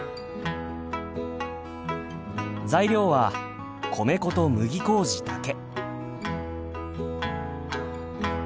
材料は米粉と麦麹だけ。